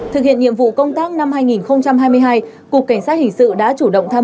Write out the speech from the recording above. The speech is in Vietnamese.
thực hiện nhiệm vụ công tác năm hai nghìn hai mươi hai cục cảnh sát hình sự đã chủ động tham